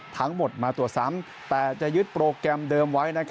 ทั้งหมดมาตรวจซ้ำแต่จะยึดโปรแกรมเดิมไว้